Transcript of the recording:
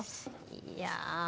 いや。